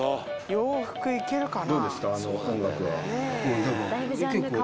洋服いけるかな？